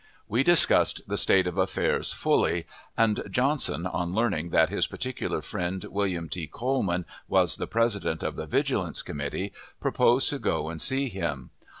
We discussed the state of affairs fully; and Johnson, on learning that his particular friend, William T. Coleman, was the president of the Vigilance Committee, proposed to go and see him.